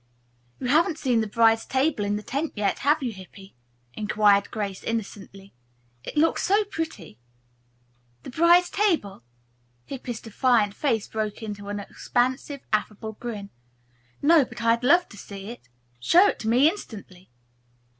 "You haven't seen the bride's table in the tent yet, have you, Hippy?" inquired Grace innocently. "It looks so pretty." "The bride's table!" Hippy's defiant face broke into an expansive, affable grin. "No, but I'd love to see it. Show it to me, instantly."